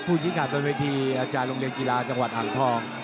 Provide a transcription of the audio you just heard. ผู้ชิงหาดบริเวณวิทีอาจารย์โรงเรียนกีฬาจังหวัดหังทอง